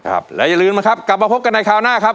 ครับและอย่าลืมนะครับกลับมาพบกันในคราวหน้าครับ